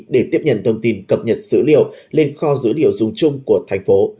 để tiếp nhận thông tin cập nhật dữ liệu lên kho dữ liệu dùng chung của thành phố